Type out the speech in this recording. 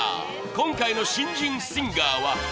今回の新人シンガーは。